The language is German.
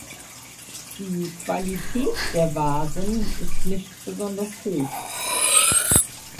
Die Qualität der Vasen ist nicht besonders hoch.